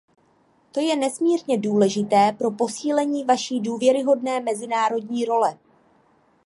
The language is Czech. To je nesmírně důležité pro posílení naší důvěryhodné mezinárodní role.